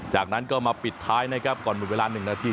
จากนั้นก็มาปิดท้ายนะครับก่อนหมดเวลา๑นาที